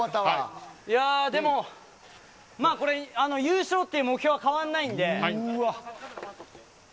でも優勝という目標は変わらないので。